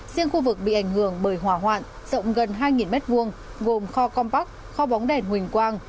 riêng khu vực bị ảnh hưởng bởi hỏa hoạn rộng gần hai m hai gồm kho compac kho bóng đèn huỳnh quang